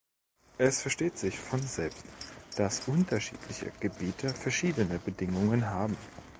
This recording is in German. Es versteht sich von selbst, dass unterschiedliche Gebiete verschiedene Bedingungen haben.